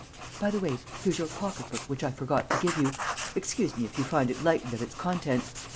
By the way, here's your pocketbook which I forgot to give you. Excuse me if you find it lightened of its contents.